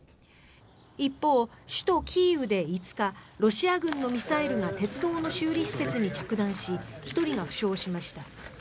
一方、首都キーウで５日ロシア軍のミサイルが鉄道の修理施設に着弾し１人が負傷しました。